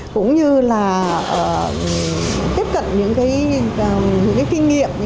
cũng như là tiếp cận những kinh nghiệm